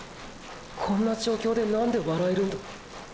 こんな状況で何で笑えるんだ？